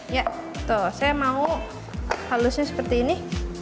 ya tuh saya mau halusnya seperti ini